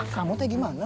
kamu teh gimana